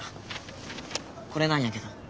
これなんやけど。